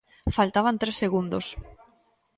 Faltaban tres segundos.